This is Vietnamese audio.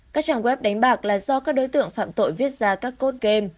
các trang web đánh bạc là do các đối tượng phạm tội viết ra các cốt game